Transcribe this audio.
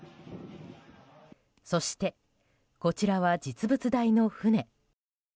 そして、こちらは実物大の船。